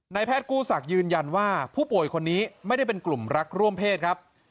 แพทย์กู้ศักดิ์ยืนยันว่าผู้ป่วยคนนี้ไม่ได้เป็นกลุ่มรักร่วมเพศครับ